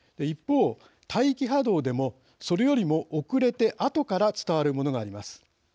一方、大気波動でもそれよりも遅れてあとから伝わるものがあります。